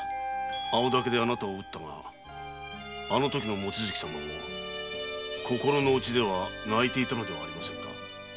青竹であなたを打ったがあのときの望月様も心のうちでは泣いていたのではありませんか。